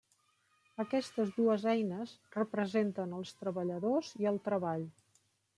Aquestes dues eines representen els treballadors i el treball.